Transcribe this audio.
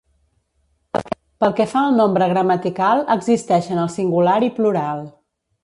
Pel que fa al nombre gramatical, existeixen el singular i plural.